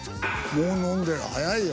もう飲んでる早いよ。